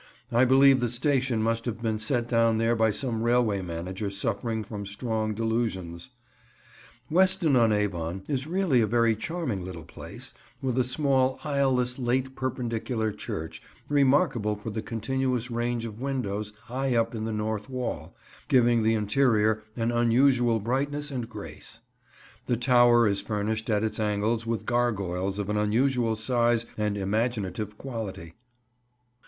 I believe the station must have been set down there by some railway manager suffering from strong delusions. [Picture: Boat Lane, Welford] Weston on Avon is really a very charming little place, with a small aisle less Late Perpendicular church, remarkable for the continuous range of windows high up in the north wall, giving the interior an unusual brightness and grace. The tower is furnished at its angles with gargoyles of an unusual size and imaginative quality.